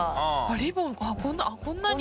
リボンあっこんなに？